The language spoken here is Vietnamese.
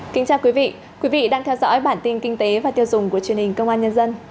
kính chào quý vị quý vị đang theo dõi bản tin kinh tế và tiêu dùng của truyền hình công an nhân dân